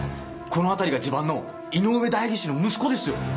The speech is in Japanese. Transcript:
このあたりが地盤の井上代議士の息子ですよ。